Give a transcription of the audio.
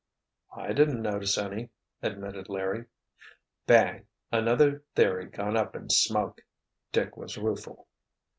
"I didn't notice any," admitted Larry. "Bang! Another theory gone up in smoke!" Dick was rueful.